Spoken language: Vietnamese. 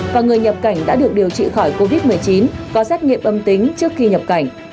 và người nhập cảnh đã được điều trị khỏi covid một mươi chín có xét nghiệm âm tính trước khi nhập cảnh